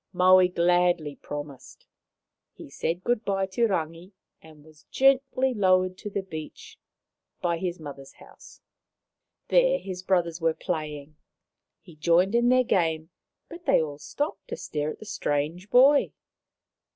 Maui gladly promised. He said good bye to Rangi and was gently lowered to the beach by his mother's house. There his brothers were playing. He joined in their game, but they all stopped to stare at the strange boy.